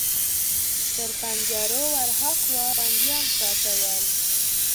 تر پنجرو ور هاخوا بنديان پراته ول.